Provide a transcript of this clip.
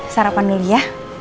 sarapan dulu ya